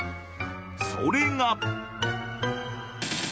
それが。